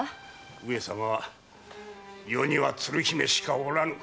上様は「余には鶴姫しかおらぬ」